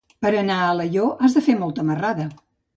Per anar a Alaior has de fer molta marrada.